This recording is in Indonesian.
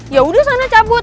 yaudah sana cabut